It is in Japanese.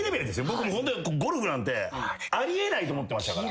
僕ホントゴルフなんてあり得ないと思ってましたから。